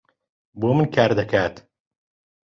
بۆ من کار دەکات.